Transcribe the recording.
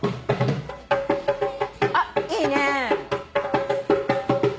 あっいいね。